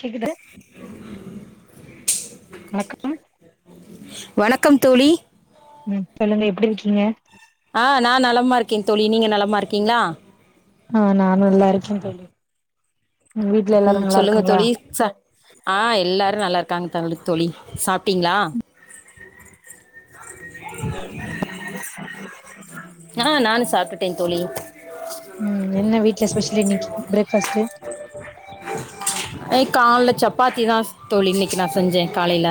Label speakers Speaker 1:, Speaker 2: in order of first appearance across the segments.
Speaker 1: கேக்குதா வணக்கம்
Speaker 2: வணக்கம் தோழி
Speaker 1: ம் சொல்லுங்க எப்பிடி இருக்கீங்க
Speaker 2: ஆ நான் நலமா இருக்கேன் தொழி நீங்கள் நலமா இருக்கீங்களா
Speaker 1: ஆ நான் நல்லா இருக்கேன் தோழி உங்க வீட்டு்ல
Speaker 2: ம்
Speaker 1: எல்லாரும் நல்லா
Speaker 2: சொல்லுங்க
Speaker 1: இருக்காங்களா
Speaker 2: தோழி ச ஆ எல்லாரு நல்லாருக்காங்க [unintelligible] தோழி சாப்பிட்டீங்களா ஆ நானு சாப்பிட்டுட்டேன் தோழி
Speaker 1: ம் என்ன வீட்ல ஸ்பெஷல்லு இன்னைக்கு பிரேக்ஃபாஸ்ட்கு
Speaker 2: ஏ காலல சப்பாத்திதான் தோழி இன்னைக்கு நா செஞ்சேன் காலைல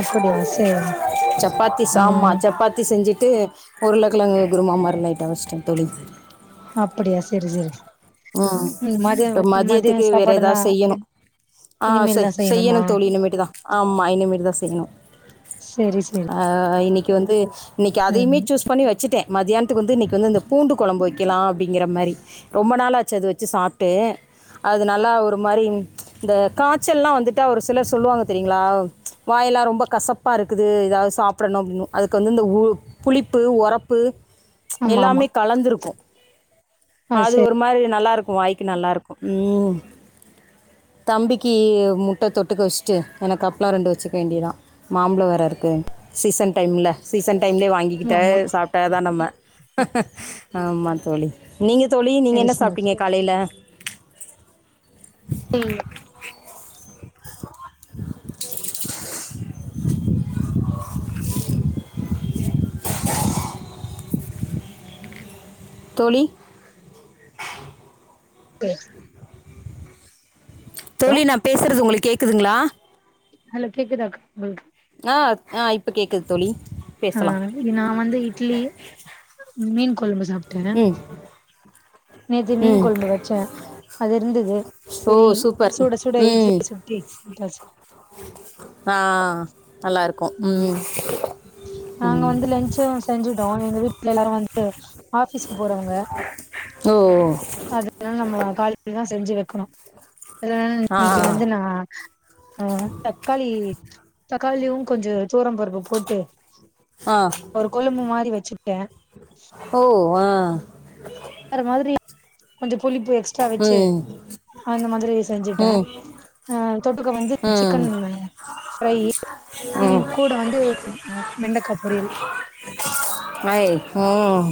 Speaker 1: அப்படியா சேரிங்
Speaker 2: சப்பாத்தி சாம
Speaker 1: ம்
Speaker 2: சப்பாத்தி செஞ்சுட்டு உருலகிழங்கு குருமா மாரி லைட்ட வச்சிட்ட தோழி
Speaker 1: அப்படியா செரி செரி
Speaker 2: ம்
Speaker 1: மதிய
Speaker 2: இப்போ
Speaker 1: மதிய
Speaker 2: மதியத்துக்கு வேற ஏதாது
Speaker 1: சாப்பாடுல்லா
Speaker 2: செய் செய்யணு ஆ
Speaker 1: இனிமேல் தா
Speaker 2: செய்யணு
Speaker 1: செய்யணுமா
Speaker 2: தோழி இனிமேட்டு தா ஆ ஆமா இனிமேட்டு தா செய்யணு
Speaker 1: சரி சரி
Speaker 2: ஆ இன்னைக்கு வந்து இன்னைக்கு அதையுமே
Speaker 1: ம்
Speaker 2: சூஸ் பண்ணி வச்சுட்டே மதியானத்துகு வந்து இன்னைகக்கு வந்து இந்த பூண்டு கொழம்பு வைக்கலா அப்டிங்கிற மாரி ரொம்ப நாளாச்சு அது வச்சு சாப்ட்டு அதனாலா ஒரு மாரி இந்த காச்சல்லா வந்துட்டா ஒரு சிலர் சொல்லுவாங்க தெரியுங்களா வாயெல்லா ரொம்ப கசப் ப்பா இருக்குது ஏதாது சாப்புடணு அப்படின்னு அதுக்கு வந்து இந்த உ புளிப்பு ஒரப்பு
Speaker 1: ஆமா ஆமா
Speaker 2: எல்லாமே கலந்துருக்கு
Speaker 1: ஆ
Speaker 2: அது
Speaker 1: செரி
Speaker 2: ஒரு மாரி நல்லா இருக்கு வாய்க் க்கு நல்லாருக்கு ம் தம்பிக்கு முட்டை தொட்டுக்க வச்சுட்டு எனக்கு அப்ல ரெண்டு வச்சுக்க வேண்டியதுதா மாம்பலோ வேர இருக்கு சீசன் டைம்ல்ல சீசன் டைம்லே
Speaker 1: ஆமா
Speaker 2: வாங்கிக்கிட்டே
Speaker 1: ஆமா
Speaker 2: சாப்பிட்ட தான் நம்ம ஆமா தோழி நீங்க தோழி நீங்க
Speaker 1: செரி
Speaker 2: என்ன
Speaker 1: செரி
Speaker 2: சாப்ட்டீங்க காலைல
Speaker 1: ம்
Speaker 2: தோழி
Speaker 1: ம்
Speaker 2: தோழி நா பேசுறது உங்களுக்கு கேக்குதுங்ளா
Speaker 1: ஹலோ கேக்குதா உங்களுக்
Speaker 2: ஆ ஆ இப்ப கேக்குது தோழி
Speaker 1: ஆ
Speaker 2: பேசலாம்
Speaker 1: நா வந்து இட்லி மீன் கொழம்பு சாப்ட்டே
Speaker 2: ம்
Speaker 1: நேத்தி மீன்
Speaker 2: ம்
Speaker 1: கொழம்பு வச்சே அது இருந்துது
Speaker 2: ஓ
Speaker 1: சேரி
Speaker 2: சூப்பர்
Speaker 1: சூட சூட இட்லி
Speaker 2: ம்
Speaker 1: சுட்டு சாப்ட்டாச்சு
Speaker 2: ஆ நல்லா இருக்கு, ம்
Speaker 1: நாங்க வந்து லன்ச் செஞ்சுட்டோ எங்க வீட்ல எல்லாரு வந்து ஆஃபிஸ்க்கு போறவங்க
Speaker 2: ஓ
Speaker 1: அதனால நம்ம காலைலதா செஞ்சு வைக்கணு அதனால
Speaker 2: ஆ
Speaker 1: இன்னைக்கு வந்து நா ஆ தக்காளி தக்காளியு கொஞ்சோ தோரம்பருப்பு போட்டு
Speaker 2: ஆ
Speaker 1: ஒரு கொழம்பு மாரி வச்சுட்டே
Speaker 2: ஓ ஆ
Speaker 1: வேற மாதிரி கொஞ்சோ புளிப்பு எக்ஸ்ட்ரா வச்சு
Speaker 2: ம்
Speaker 1: அந்த மாதிரி செஞ்சுட்டே
Speaker 2: ம்
Speaker 1: ஆ தொட்டுக்க வந்து
Speaker 2: ம்
Speaker 1: சிக்கன் ஃப்ரை ஃப்ரை
Speaker 2: ம்
Speaker 1: கூட வந்து வெண்டக்கா பொரியல்
Speaker 2: ஐ, ம்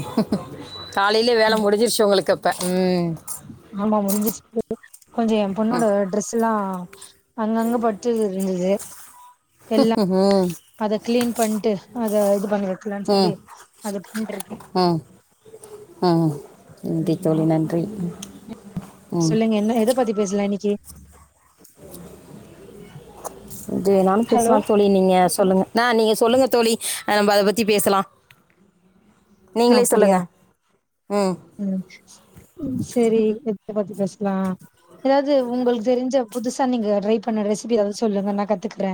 Speaker 2: காலையிலயே வேலை
Speaker 1: ம்
Speaker 2: முடிஞ்சிருச்சு உங்களுக்கு அப்ப, ம்
Speaker 1: ஆமா முடிஞ்சிச்சு கொஞ்சோ எ பொண்ணோட ட்ரெஸ் எல்லா அங்கங்க பட்டு இருந்துது
Speaker 2: ம்
Speaker 1: அத கிளீன் பண்ணிட்டு அத இது பண்ணி வைக்கலானு சொல்லி
Speaker 2: ம்
Speaker 1: அத பண்ணிட்டு இருக்கே
Speaker 2: ம் ம் நன்றி தோழி நன்றி ம்
Speaker 1: சொல்லுங்க என்ன எத பத்தி பேசலா இன்னைக்கி
Speaker 2: எது வேணாலு
Speaker 1: ஹலோ
Speaker 2: பேசலாம் தோழி நீங்க சொல்லுங்க ஆ நீங்க சொல்லுங்க தோழி நம்ம அத பத்தி பேசலா நீங்களே
Speaker 1: அப்டியா
Speaker 2: சொல்லுங்க ம்
Speaker 1: ம் ம், சரி எத பத்தி பேசலா ஏதாவது உங்களுக்கு தெரிஞ்ச புதுசா நீங்க ட்ரை பண்ண ரெசிபி ஏதாவது சொல்லுங்க நா கத்துக்குறே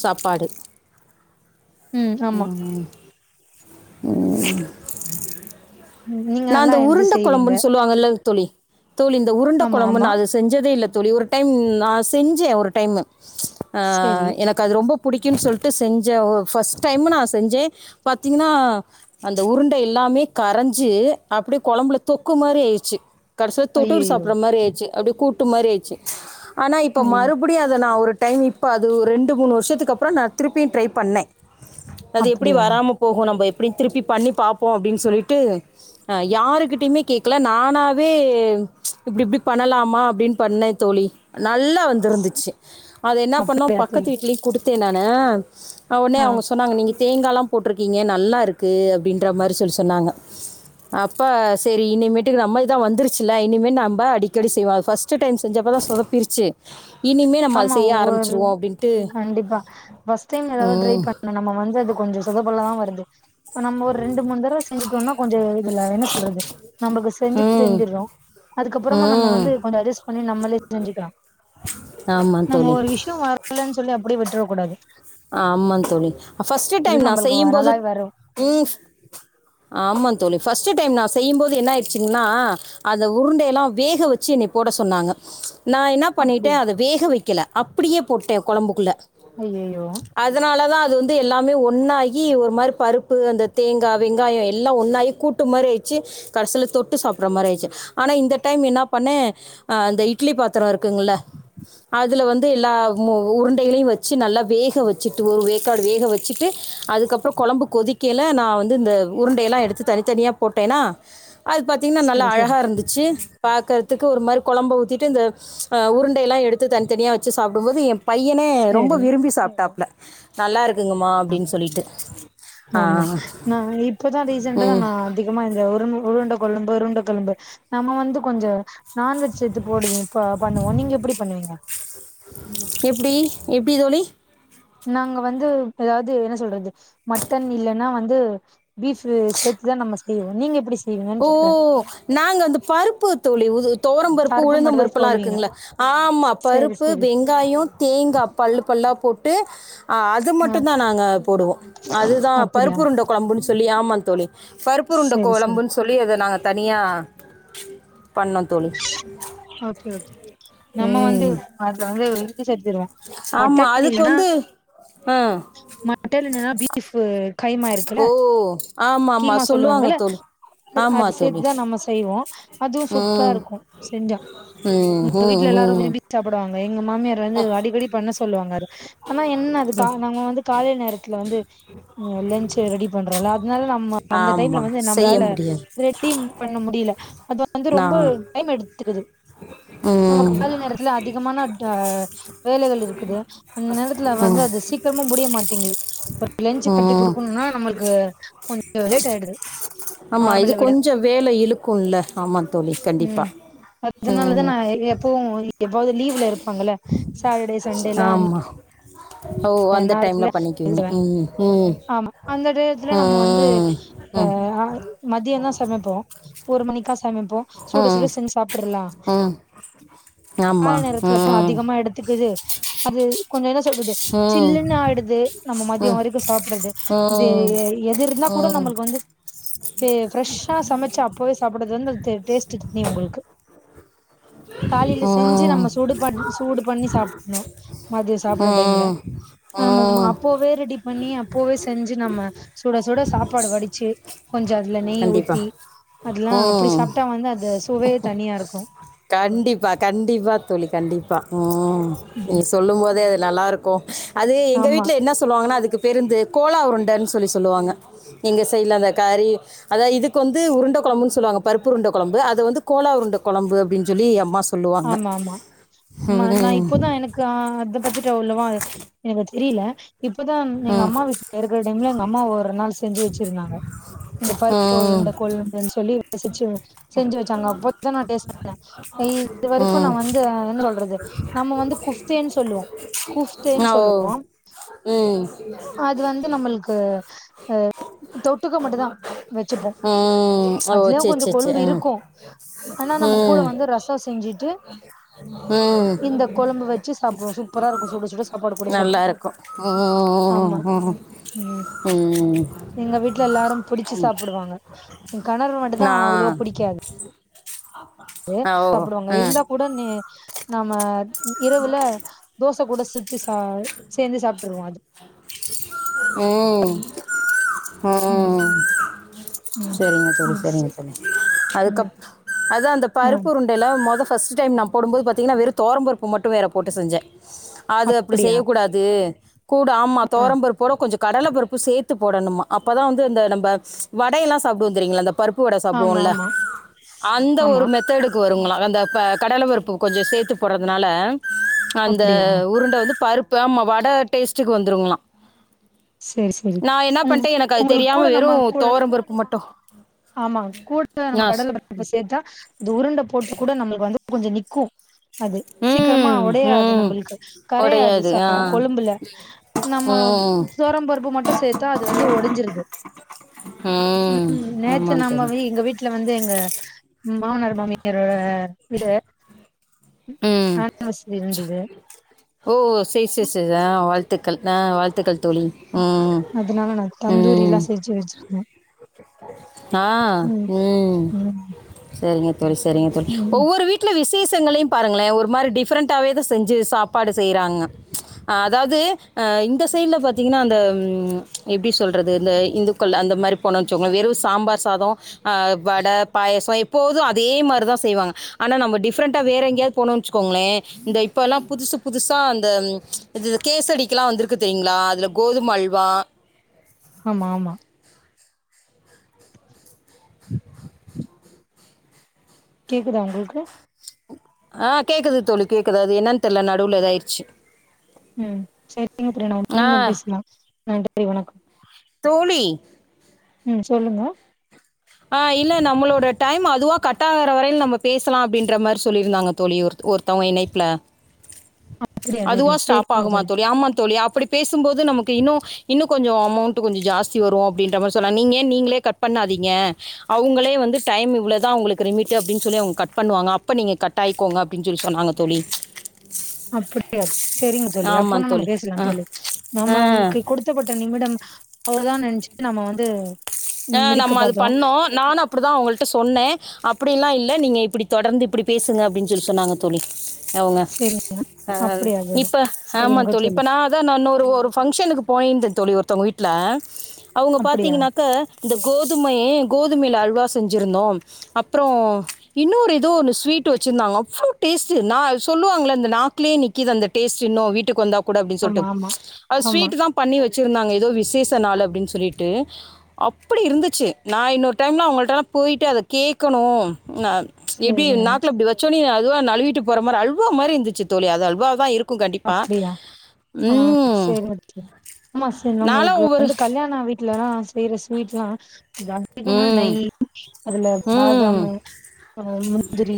Speaker 2: சாப்பாடு
Speaker 1: ம் ஆமா
Speaker 2: ம்
Speaker 1: ம் நீங்க
Speaker 2: நா
Speaker 1: நல்லா
Speaker 2: இந்த
Speaker 1: இது
Speaker 2: உருண்ட
Speaker 1: செய்வீங்க
Speaker 2: கொழம்புன்னு சொல்லுவாங்க இல்ல தோழி தோழி இந்த உருண்ட
Speaker 1: ஆமா
Speaker 2: கொழம்புனு
Speaker 1: ஆமா
Speaker 2: அது செஞ்சதே இல்ல தோழி ஒரு டைம் நா செஞ்சே ஒரு டைமு அ
Speaker 1: செரி
Speaker 2: எனக் கு அது ரொம்ப புடிக்குன்னு சொல்லிட்டு செஞ்சே ஃபர்ஸ்ட் டைம் நா செஞ்சே பாத்தீங்னா அந்த உருண்ட எல்லாமே கரைஞ்சு அப்டியே கொழம்புல தொக்கு மாரி ஆயிடுச்சு கடைசில தொட்டுட்டு
Speaker 1: ஐயையோ
Speaker 2: சாப்புட்ற மாரி ஆயிடுச்சு அப்படியே கூட் டு மாரி ஆயிடுச்சு ஆனா இப்ப
Speaker 1: ஐயோ
Speaker 2: மறு படியு அத நா ஒரு டைம் இப்ப அது ஒரு ரெண்டு மூணு வருஷத்துக்கு அப்றோ நா திருப்பியு ட்ரை பண்ணே அது எப்டி
Speaker 1: அப்டியா
Speaker 2: வராம போகு நம்ம எப்டியு திருப்பி பண்ணி பாப்போ அப்டின்னு சொல்ட்டு அ யாருக்கிட்டயுமே கேக்கல நானாவே இப்டி இப்டி பண்ணலாமா அப்டின்னு பண்ணே தோழி நல்லா வந்திருந்துச்சு அத என்ன பண்ணோ
Speaker 1: அப்டியா தோழி
Speaker 2: பக்கத்து வீட்லயும் குடுத்தே நானு அ உடனே
Speaker 1: ஆ
Speaker 2: அவங்க சொன்னாங்க நீங்க தேங்கால்லா போட்ருக்கீங்க நல்லா இருக்கு அப்டின்ற மாரி சொல்லி சொன்னாங்க அப்ப சரி இனிமேட்டுக்கு நம்மளுக்குதா வந்துருச்சுல இனிமே நம்ப அடிக்கடி செய்வோ ஃபர்ஸ்ட் ஃபர்ஸ்ட் டைம் செஞ்சப்ப தா சொதப்பிருச்சு இனிமேல் நம்ம அதை
Speaker 1: ஆமா
Speaker 2: செய்ய
Speaker 1: ஒவ்வொரு
Speaker 2: ஆரம்பிச்சிருவோம் அப்படின்ட்டு
Speaker 1: கண்டிப்பா ஃபர்ஸ்ட் டைம் ஏதாவது ட்ரை
Speaker 2: ம்,
Speaker 1: பண் நம்ம வந்து அது கொஞ்சம் சொதப்பலதா வருது இப்ப நம்ம ஒரு ரெண்டு மூணு தடவ செஞ்சுட்டோம்னா கொஞ்சம் இதுல என்ன சொல்றது நம்மளுக்கு செஞ்சு
Speaker 2: ம்
Speaker 1: தெரிஞ்சிடுறோ அதுக்கப்புறமா நம்ம
Speaker 2: ம்
Speaker 1: வந்து பல அஜஸ்ட் பண்ணி நம்மளே செஞ்சிக்கலா
Speaker 2: ஆமாம்
Speaker 1: நம்ம
Speaker 2: தோழி
Speaker 1: ஒரு விஷயோ வரலன்னு சொல்லி அப்டியே விட்ரக் கூடாது
Speaker 2: ஆமா தோழி ஃபர்ஸ்ட் டைம்
Speaker 1: அது
Speaker 2: நா செய்யும்
Speaker 1: நம்மளுக்கு
Speaker 2: போது
Speaker 1: நல்லாவே வரு
Speaker 2: உம் ஆமா தோழி ஃபர்ஸ்ட்டு டைம் நா செய்யும்போது என்னாயிடுச்சிங்னா அந்த உருண்டைய எல்லாம் வேக வெச்சு என்னைய போட சொன்னாங்க நா என்ன பண்ணிட்டே
Speaker 1: அப்படியா
Speaker 2: அத வேக வெக்கல அப்டியே போட்டே கொழம்புக்குள்ள
Speaker 1: ஐய்யயோ
Speaker 2: அதனால தாஅது வந்து எல்லாமே ஒன்னாகி ஒரு மாதிரி பருப்பு அந்த தேங்கா வெங்காயம் எல்லா ஒன்னாகி கூட்டு ட்டு மாரி ஆயிச்சு கடைசில தொட்டு சாப்டுற மாதிரி ஆயிச்சு ஆனா இந்த டைம் என்ன பண்ணே அ அந்த இட்லி பாத்திரம் இருக்குங்கல்ல அதுல வந்து எல்லா உருண்டைகளையும் வச்சு நல்லா வேக வச்சுட்டு ஒரு வேக்காடு வேக வச்சுட்டு அதுக்கப்புறோ கொழம்பு கொதிக்கையில நா வந்து இந்த உருண்டையெல்லா எடுத்து தனித் தனியா போட்டேன்னா அது பாத்தீங்கன்னா நல்லா
Speaker 1: சரி சரி
Speaker 2: அழகா இருந்து ச்சு பாக்கறதுக்கு ஒரு மாரி குழம்ப ஊத்திட்டு இந்த அ உருண்டெயெல்லா எடுத்து தனித்தனியா வச்சு சாப்டும்போது எ பையனே ரொம்ப
Speaker 1: சரி
Speaker 2: விரும்பி சாப்ட்டாப்புல நல்லா இருக்குங்கம்மா
Speaker 1: ஆ
Speaker 2: அப்படின்னு சொல்லிட்டு
Speaker 1: கோழி
Speaker 2: ஆ
Speaker 1: நா இப்பதா ரீசண்டா தா
Speaker 2: ம்
Speaker 1: நா வ்ந் நான்வெஜ் சேத்து போடுவீ பண்ணுவோ நீங்க எப்டி பண்ணுவீங்க
Speaker 2: எப்டி எப்டி தோழி
Speaker 1: நாங்க வந்து எப்பயாவது என்ன சொல்றது மட்டன் இல்லைன்னா வந்து பீஃப் சேத்துதா நம்ம செய்வோ நீங்க எப்டி
Speaker 2: ஓ
Speaker 1: செய்வீங்கன்னு கேக்குறே
Speaker 2: நாங்க வந்து பருப்பு தோழி தோவரம் பருப்பு
Speaker 1: கருப்பு
Speaker 2: உளுந்தம்
Speaker 1: மட்டுந்தா
Speaker 2: பருப்பு எல்லாம்
Speaker 1: சொல்லுவீங்க
Speaker 2: இருக்குங்ள ஆமா
Speaker 1: சேரி
Speaker 2: பருப்பு
Speaker 1: சேரி
Speaker 2: வெங்காயம் தேங்கா பல்லு பல்லா போட்டு அது
Speaker 1: ஆ
Speaker 2: மட்டும் தா நாங்க போடுவோம் அது தா
Speaker 1: அப்டியா
Speaker 2: பருப்புருண்ட குழம்புன்னு சொல்லி ஆமா தோழி பருப்புருண்ட
Speaker 1: சேரி சேரி
Speaker 2: குழம்புன்னு சொல்லி அத நாங்க தனியா பண்ணோம் தோழி
Speaker 1: ஓகே ஓகே நம்ம வந்து
Speaker 2: ம்
Speaker 1: அதுல வந்து இஞ்சி சேத்துடுவோ
Speaker 2: ஆமா
Speaker 1: மட்டன்
Speaker 2: அதுக்கு
Speaker 1: இல்லன்னா
Speaker 2: வந்து ஆ
Speaker 1: மட்டல் இல்லனா பீஃப் கைமா இருக்குல்ல
Speaker 2: ஓ ஆமா ஆமா
Speaker 1: கீமா சொல்லுவாங்க
Speaker 2: தோழி ஆமா
Speaker 1: அது
Speaker 2: தோழி
Speaker 1: சேத்துதா நம்ம செய்வோ அதுவும் சூப் ப்பரா
Speaker 2: ம்
Speaker 1: இருக்கூ செஞ்சா
Speaker 2: ம்
Speaker 1: எங்க
Speaker 2: ம்
Speaker 1: வீட்ல எல்லாரும்
Speaker 2: ம்
Speaker 1: விரும்பி சாப்டுவங்க எங்க மாமியார் வந்து அடிக்கடி பண்ண சொ சொல்லுவாங்க ஆனா என்ன அது [unintelligible] நாங் வந்து காலை நேரத்துல வந்து லஞ்சு ரெடி பண்றோம்ல அதனால நம்ம அந்த டைம்ல
Speaker 2: ஆமாம்
Speaker 1: வந்து
Speaker 2: செய்ய
Speaker 1: நம்மளால
Speaker 2: முடியாது
Speaker 1: ரெடி பண்ண முடியல அது வந்து ரொம்ப
Speaker 2: நான்
Speaker 1: டைம் எடுத்துக்குது நம்ம
Speaker 2: ம்
Speaker 1: காலை நேரத்துல அதிகமான ஆ வேலைகள் இருக்குது அந்த நேரத்துல வந்து
Speaker 2: ம்
Speaker 1: அது சீக்கிரமா முடிய மாட்டேங்குது லஞ்சு கட்டி
Speaker 2: ம்
Speaker 1: குடுக்கணும்னா நம்மளுக்கு கொஞ்சோ லேட் ஆயிடுது
Speaker 2: ஆமா இது
Speaker 1: நார்மல விட
Speaker 2: கொஞ்சோ வேல இழுக்கும்ல ஆமா
Speaker 1: ம் அதுனாலதா நா எப்பவு எப்பாவது லீவுல இருப்பாங்கள சாட்டர்டே சண்டெல்லா
Speaker 2: ஆமாம் ஓ அந்த டைம்ல பண்ணிக்குவீங்க ம் ம்
Speaker 1: ஆமா அந்த நேரத்துல
Speaker 2: ம் அ
Speaker 1: மதியோ தா சமைப்போ ஒரு மணிக்கா சமைப்போ சுட சுட
Speaker 2: ம்
Speaker 1: செஞ்சி சாப்றலா
Speaker 2: ம்
Speaker 1: கால
Speaker 2: ஆமாம்
Speaker 1: நேரத்துல
Speaker 2: ம் ம்
Speaker 1: அதிகமா எடுத்துக்குது அது கொஞ்சோ என்ன சொல்றது
Speaker 2: ம்
Speaker 1: சில்லுன்னு ஆயிடுது நம்ம மதியோ வரைக்கு சாப்பிடுறது இது எது இருந்தா கூட
Speaker 2: ம்
Speaker 1: நம்மளுக்கு வந்து து ஃப்ரெஷ்ஷா சமைச்சி அப்பவே சாப்பிடறது வந்து அந்த டேஸ்ட் தனி உங்களுக்கு காலையில செஞ்சி
Speaker 2: ம்
Speaker 1: நம்ம சுடு பண்ணி சூடு பண்ணி சாப்பிடணு மதியம் சாப்பற டைம்ல
Speaker 2: ம்
Speaker 1: ஆமா ஆமா
Speaker 2: ம்
Speaker 1: அப்பவே ரெடி பண்ணி அப்பவே செஞ்சி நம்ம சுட சுட சாப்பாடு வடிச்சி கொஞ்சோ அதுல நெய் ஊத்தி
Speaker 2: கண்டிப்பாக
Speaker 1: அதெல்லா அப்டி
Speaker 2: ம்
Speaker 1: சாப்பிட்டா வந்து அது சுவையே தனியா இருக்கு
Speaker 2: கண்டிப்பா கண்டிப்பா தோழி கண்டிப்பா ம் நீ
Speaker 1: ம்
Speaker 2: சொல்லும் போதே அது நல்லா இருக்கு அது எங்க
Speaker 1: ஆமா
Speaker 2: வீட்ல என்ன சொல்லுவாங்கன்னா அதுக்கு பேருந்து கோலா உருண்டன்னு சொல்லி சொல்லுவாங்க எங்க சைடில அந்த கறி அதாவது இதுக்கு வந்து உருண்ட கொழம்பு சொல்லுவாங்க பருப்பு உருண்ட கொழம்பு அத வந்து கோலா உருண்ட கொழம்பு அப்டின்னு சொல்லி அம்மா சொல்லுவாங்க
Speaker 1: ஆமா
Speaker 2: ம்
Speaker 1: கா அத பத்திட்டு அவ்ளவா எனக்கு தெரில இப்பதா எங்க
Speaker 2: ம்
Speaker 1: அம்மா வீட்ல இருக்கிற டைம்ல எங்க அம்மா ஒரு நாள் செஞ்சி வச்சிருந்தாங்க இந்த பருப்பு
Speaker 2: ம்
Speaker 1: உருண்ட கொழும்புன்னு சொல்லி [unintelligible] செஞ்சி வச்சாங்க அப்பதா நா டேஸ்ட் பண்ணே இது வரைக்கு நா
Speaker 2: ம்
Speaker 1: வந்து என்ன சொல்ற து நம்ம வந்து குப்தேன்னு சொல்லுவோ
Speaker 2: அ
Speaker 1: குஃப்தேன்னு
Speaker 2: ஓ
Speaker 1: சொல்லுவோ
Speaker 2: ம்
Speaker 1: இது வந்து நம்மளுக்கு ஆ தொட்டுக்க மட்டு தா வச்சிப்போ
Speaker 2: ம் ஓ
Speaker 1: அதுலயு
Speaker 2: சரி
Speaker 1: கொஞ்சோ
Speaker 2: சரி சரி
Speaker 1: கொழும்பு இருக்கு ஆனா நம்ம கூட
Speaker 2: ம் ம்
Speaker 1: வந்து ரசம் செஞ்சிட்டு
Speaker 2: ம்
Speaker 1: கொழம்பு வச்சி சாப்பிடுவோ சூப்பர இருக்கு சுட சுட சாப்பாடு போட்டு சாப்
Speaker 2: ம் ம் ம் ம் ம்
Speaker 1: எங்க வீட்ல எல்லாரு புடிச்சி சாப்பிடுவாங்க எ காணவரு மட்டு தா அவ்ளோ
Speaker 2: நான்
Speaker 1: பிடிக்காது
Speaker 2: ஓ
Speaker 1: [inaudible] சாப்பிடுவாங்க
Speaker 2: ம்
Speaker 1: இருந்தா கூட நீ நாம இரவுல தோசை கூட சுத்தி சா சேந்து சாப்பிட்டுருவோ அது
Speaker 2: ம் ம்
Speaker 1: ம்
Speaker 2: சேரிங்க தோழி
Speaker 1: ம் ஸ்
Speaker 2: சேரிங்க தோழி அதுக்கு
Speaker 1: ம்
Speaker 2: அப் அதா
Speaker 1: ஆ
Speaker 2: பருப்பு உருண் டல்ல முத ஃபர்ஸ்ட் டைம் நா போடுபோது பாத்தீங்கன்னா வெறு தோவரம் பருப்பு மட்டு வேற போட்டு செஞ்சே அது அப்டி
Speaker 1: அப்டியா
Speaker 2: செய்யக்கூடாது கூட ஆமா
Speaker 1: ஆ
Speaker 2: தோவரம்பருப்போட கொஞ்சோ கடல பருப்பு சேத் து போடணுமா அப்பதா வந்து இந்த நம்ம வட எல்லா சாப்பிட்டுவோ தெரியுங்களா இந்த பருப் பு வட
Speaker 1: ஆமா
Speaker 2: சாப்பிடுவோல்ல
Speaker 1: ஆமா
Speaker 2: அந்த
Speaker 1: ஆமா
Speaker 2: ஒரு மெத்தேடுக் கு வருங்களா அந்த ப கடல பருப்பு கொஞ்சோ சேத்து போடுறதுனால அந்த
Speaker 1: அப்டியா
Speaker 2: உருண்ட வந்து பருப்பு வடை டேஸ்ட்டுக்கு வந்துருங்களா
Speaker 1: சேரி சேரி
Speaker 2: நா என
Speaker 1: உங்
Speaker 2: பண்ணிட்டே எனக்கு அது தெரியாம வெறு தோவரம் பருப்பு மட்
Speaker 1: ஆமாங்க கூட்ட நம்ம
Speaker 2: நான்
Speaker 1: கடல பருப்பு சேத்தா இந்த உருண்ட போட்டு கூட நம்மளுக்கு வந்து கொஞ்சோ நிக்கு அது சீக்கிரமா
Speaker 2: ம்
Speaker 1: உடையாது
Speaker 2: ம்
Speaker 1: நம்மளுக்கு கரையாது
Speaker 2: ஒடையாது ஆ
Speaker 1: ச கொழம்புல நம்ம
Speaker 2: ம்
Speaker 1: தோவரம்பருப்பு மட்டு சேத்தா அது வந்து ஒடஞ்சிருது ம் நேத்து
Speaker 2: ஆமாம்
Speaker 1: நாம
Speaker 2: தோழி
Speaker 1: வி எங்க வீட்ல வீட்ல வந்து எங்க மாமனார் மாமியாரோட இது
Speaker 2: ம்
Speaker 1: [unintelligible] இருந்துது
Speaker 2: ஓ சேர் சேர் சேரி ஆ வாழ்த்துக்கள் ஆ வாழ்த்துக்கள் தோழி ம்
Speaker 1: அதனால நான் தந்தூரி
Speaker 2: ம்
Speaker 1: எல்லா செஞ்சு வச்சிருக்க
Speaker 2: ஆ ம்
Speaker 1: ம்
Speaker 2: செரிங்க தோழி செரிங்க தோழி
Speaker 1: ம்
Speaker 2: ஒவ்வொரு வீட்டு வீட்டுல விசேஷங்களையு பாருங்களேன் ஒரு மாரி டிஃப்ரெண்டாவே தா செஞ்சு சாப்பாடு செய்றாங்க அதாவது இந்த சைடுல பாத்தீங்கனா அந்த எப்டி சொல்றது இந்த இந்துக்கள் அந்த மாரி போண்ணு வச்சோங்க வெறு சாம்பார் சாதோ வடை பாயாசம் இப் எப்போது அதே மாரி தா செய்வாங்க ஆனா நம்ம டிஃப்ரெண்டா வேறு எங்கேயாவது போணோணு வெச்சுக்கோங்ளே இந்த இப்ப எல்லா புதுசு புதுசா அந்த இ கேசடிக்கெல்லா வந்திருக்கு தெரியுங்களா அதுல கோதுமல்வா
Speaker 1: ஆமா ஆமா கேக்குதா உங்ளுக்கு
Speaker 2: ஆ கேக்குது தோழி கேக்குது அது என்னனு தெரில நடுவுல இதாயிருச்சு
Speaker 1: ம் சேரிங்க
Speaker 2: ஆ
Speaker 1: [unintelligible] பேசலா நன்றி வணக்கம்
Speaker 2: தோழி
Speaker 1: ம் சொல்லுங்க
Speaker 2: ஆ இல்ல நம்மளோட டைம் அதுவா கட்டாகற வரையில நம்ம பேசலா அப்டின்ற மாரி சொல்லிருந்தாங்க தோழி ஒர் ஒருத்தவுங்க இணைப்ல
Speaker 1: அப்படியா
Speaker 2: அதுவா
Speaker 1: தோழி
Speaker 2: ஸ்டாப்
Speaker 1: சரிங்க
Speaker 2: ஆகுமா தோழி ஆமா தோழி அப்டி பேசும்போது நமக்கு இன்னு இன்னு கொஞ்சோ அமௌண்ட் கொஞ்ச ஜாஸ்தி வரு அப்டின்ற மாரி சொன்னா நீங்க நீங்களே கட் பண்ணாதீங்க அவுங்களே வந்து டைம் இவ்ளதா உங்ளுக்கு லிமிட்டு அப்டின்னு சொல்லி அவங்க கட் பண்ணுவாங்க அப்ப நீங்க கட் கட் ஆயிக்கோங்க அப்டின்னு சொல்லி சொன்னாங்க தோழி
Speaker 1: அப்படியா சொ செரிங்க தோழி
Speaker 2: ஆமா
Speaker 1: அப்பன்னா நம்ம
Speaker 2: தோழி
Speaker 1: பேசலா
Speaker 2: ஆ
Speaker 1: தோழி நம்ம
Speaker 2: ஆ
Speaker 1: அவுங்க்கு குடுத் ப்பட்ட நிமிடம் அவ்ளதானு நெனைச்சுட்டு நம்ம வந்து
Speaker 2: ஆ
Speaker 1: முடிக்க
Speaker 2: நம்ம அது
Speaker 1: பாத்தோ
Speaker 2: பண்ணோ நானு அப்டிதா உங்கள்ட்ட சொன்னே அப்படி எல்லா இல்ல நீங்க இப்டி தொடர்ந்து இப்டி பேசுங்க அப்டின்னு சொல்லி சொன்னாங்க தோழி அவுங்க
Speaker 1: சரி
Speaker 2: ஆ
Speaker 1: அப்படியா தோழி
Speaker 2: இப்ப ஆமா
Speaker 1: சரிங்க
Speaker 2: தோழி இப்ப நா அதா நா ஒரு பஃங்க்ஷனுக்கு போயிருந்தே தோழி ஒருத்தவங்க வீட்ல அவங்க
Speaker 1: அப்படியா
Speaker 2: பாத்தீங்கனாக்க இந்த கோதுமையே கோதுமைல அல்வா செஞ்சிருந்தோ அப்புறோ இன்னொரு ஏதோ ஒரு ஸ்வீட் வச்சிருந்தாங்க அவ்ளோ டேஸ்ட் நா சொல்லுவாங்கள இந்த நா நாக்குலே நிக்குது அந்த டேஸ்ட் இன்னு வீட்டுக்கு வந்தா கூட அப்டின்னு
Speaker 1: ஆமா
Speaker 2: சொல்லிட்டு
Speaker 1: ஆமா
Speaker 2: அ
Speaker 1: ஆமா
Speaker 2: ஸ்வீட் தா பண்ணி வச்சிருந்தாங்க ஏதோ விசேஷ நாளு அப்டின்னு சொல்லிட்டு அப்படி இருந்துச்சு நா இன்னொரு டைம்ல அவங்கள்ட்டலா போயிட்டு அத கேக்கணு ந எப்டி
Speaker 1: சரிங்க
Speaker 2: நாக்குல அப்டி வச்சோனே அதுவா நழுவிட்டு போற மாரி அல்வா மாரி இருந்துச்சு தோழி அது அல்வா தா இருக் கு கண்டிப்பா
Speaker 1: அப்படியா ஆ சேரிங்க தோழி ஆமா சேரி
Speaker 2: நான்லாம்
Speaker 1: நம்ளுக்கு
Speaker 2: ஒவ்வொரு
Speaker 1: வந்து கல்யாண வீட்டு லலா செய்ற ஸ்வீட்லா அ அதிகமா
Speaker 2: ம்
Speaker 1: நெய் அதுல
Speaker 2: ம்
Speaker 1: பாதாமு அப்றோ முந்திரி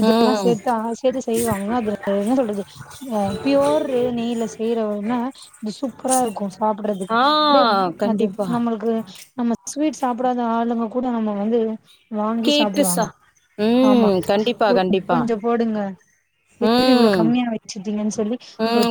Speaker 1: இதெல்லா
Speaker 2: ம்
Speaker 1: சேத்து [unintelligible] செய்வாங்களா அது என்ன சொல்றது ப்யோர் நெய்யில செய்யறவனா இது சூப்பரா இருக்கு சாப்றதுக்கு
Speaker 2: ஆ
Speaker 1: அப்டியோ அது
Speaker 2: கண்டிப்பாக
Speaker 1: நம்மளுக்கு நம்ம ஸ்வீட் சாப்பிடாத ஆளுங்க கூட நம்ம வந்து வாங்கி
Speaker 2: கேட்டு
Speaker 1: சாப்டுவாங்க
Speaker 2: சா
Speaker 1: ஆமா
Speaker 2: ம்
Speaker 1: கொ
Speaker 2: கண்டிப்பாக கண்டிப்பாக
Speaker 1: கொஞ்சோ போடுங்க எதுக்கு இவ்ளோ
Speaker 2: ம்
Speaker 1: கம்மியா வச்சிட்டீங்கனு சொல்லி ஒரு
Speaker 2: ம்